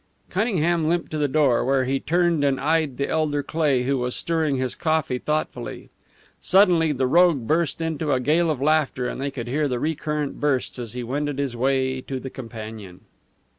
Cunningham limped to the door, where he turned and eyed the elder Cleigh, who was stirring his coffee thoughtfully. Suddenly the rogue burst into a gale of laughter, and they could hear recurrent bursts as he wended his way to the companion.